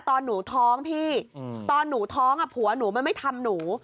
ตอนหนูท้องพี่ตอนหนูท้องผัวหนูมันไม่ทำหนู